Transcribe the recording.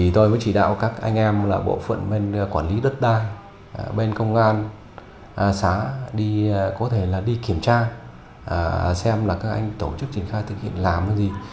tôi mới chỉ đạo các anh em là bộ phận bên quản lý đất đai bên công an xã đi có thể đi kiểm tra xem là các anh tổ chức triển khai thực hiện làm gì